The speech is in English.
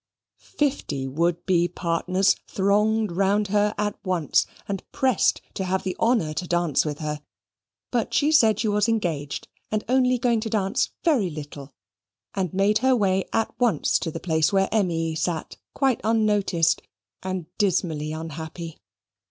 Fifty would be partners thronged round her at once, and pressed to have the honour to dance with her. But she said she was engaged, and only going to dance very little; and made her way at once to the place where Emmy sate quite unnoticed, and dismally unhappy.